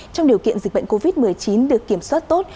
trong điều kiện dịch bệnh covid một mươi chín được kiểm soát tốt